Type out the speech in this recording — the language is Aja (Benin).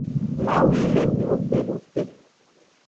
Mawu yi le miwo gbe do te.